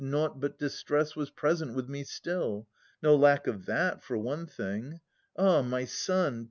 Nought but distress was present with me still. No lack of that, for one thing !— Ah ! my son.